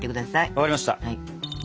分かりました。